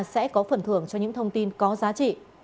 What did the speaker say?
sẽ có phần thưởng cho những thông tin có giá trị